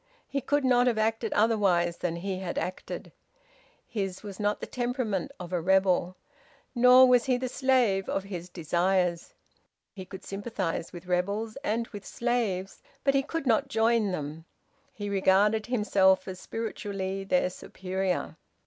He could not have acted otherwise than he had acted. His was not the temperament of a rebel, nor was he the slave of his desires. He could sympathise with rebels and with slaves, but he could not join them; he regarded himself as spiritually their superior.